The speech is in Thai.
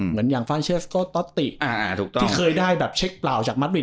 เหมือนอย่างฟานเชสติ์ก็ต๊อตติก่อนที่เคยได้เช็คปล่าวจากมาสบิทอะ